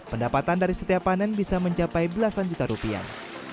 pendapatan dari setiap panen bisa mencapai belasan juta rupiah